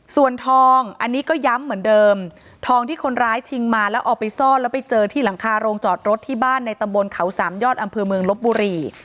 ส่วนทองอันนี้ก็ย้ำเหมือนเดิมทองที่คนร้ายชิงมาแล้วเอาไปซ่อนแล้วไปเจอที่หลังคาโรงจอดรถที่บ้านในตำบลเขาสามยอดอำเภอเมืองลบบุรี